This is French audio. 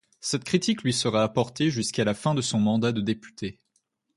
Cette critique lui sera apportée jusqu'à la fin de son mandat de député.